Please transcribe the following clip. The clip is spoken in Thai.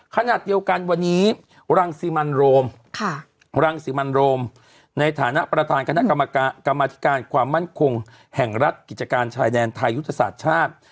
ขณะเดียวกันวันนี้รังสิมันโรมรังสิมันโรมในฐานะประธานคณะกรรมการความมั่นคงแห่งรัฐกิจการชายแดนไทยยุทธศาสตร์ชาติ